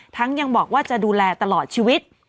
ยังบอกว่าจะดูแลตลอดชีวิต